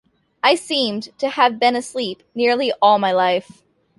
I seemed to have been asleep nearly all my life.